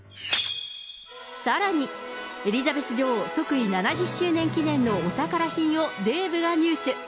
さらに、エリザベス女王即位７０周年記念のお宝品をデーブが入手。